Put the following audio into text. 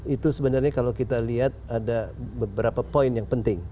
itu sebenarnya kalau kita lihat ada beberapa poin yang penting